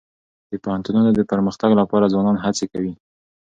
د پوهنتونونو د پرمختګ لپاره ځوانان هڅي کوي.